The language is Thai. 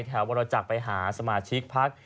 แถววันเราจักรไปหาสมาชิกพัก